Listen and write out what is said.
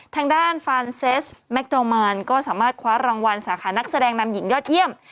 ทางด้านฟานเซสแมคโดมานก็สามารถคว้ารางวัลสาขานักแสดงนำหญิงยอดเยี่ยม